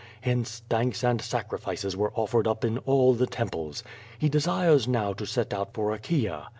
Hence thanks and sacrifices were offered up in all the temples. He desires now to set out for Achaea.